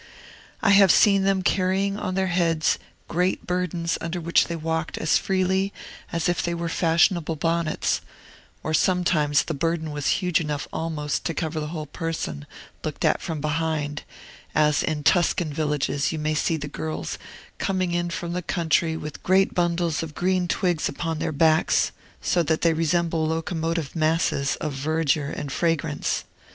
I have seen them carrying on their heads great burdens under which they walked as freely as if they were fashionable bonnets; or sometimes the burden was huge enough almost to cover the whole person, looked at from behind, as in Tuscan villages you may see the girls coming in from the country with great bundles of green twigs upon their backs, so that they resemble locomotive masses of verdure and fragrance.